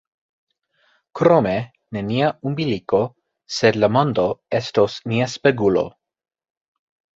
Krome, ne nia umbiliko, sed la mondo estos nia spegulo.